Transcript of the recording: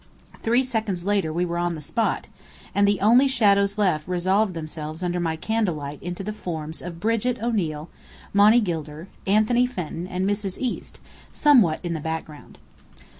Three seconds later we were on the spot; and the only shadows left resolved themselves under my candle light into the forms of Brigit O'Neill, Monny Gilder, Anthony Fenton, and Mrs. East somewhat in the background.